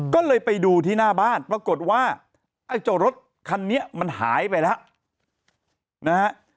ก็เลยไปดูที่หน้าบ้านปรากฏว่าไอ้เจ้ารถคันนี้มันหายไปแล้วนะฮะ